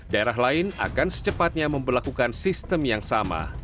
daerah lain akan secepatnya memperlakukan sistem yang sama